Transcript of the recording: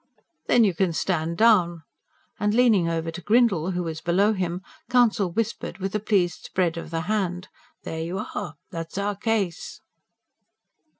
"Then you can stand down!" and leaning over to Grindle, who was below him, counsel whispered with a pleased spread of the hand: "There you are! that's our case."